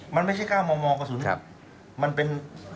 มันไม่ใช่๙มมกระสุนมันเป็น